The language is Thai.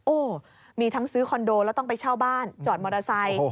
มีทั้งซื้อคอนโดแล้วต้องไปเช่าบ้านจอดมอเตอร์ไซค์